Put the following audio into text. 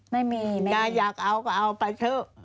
ไม่มีไม่มีถ้าอยากเอาก็เอาไปเถอะ